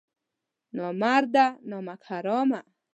نامرده نمک حرامه!